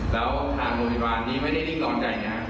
แล้วทางโรงพยาบาลนี้ไม่ได้นิ่งนอนใจนะ